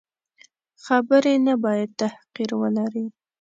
خبرې نه باید تحقیر ولري.